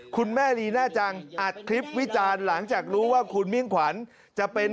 คุณแม่ลีน่าจังอัดคลิปวิจารณ์หลังจากรู้ว่าคุณมิ่งขวัญจะเป็น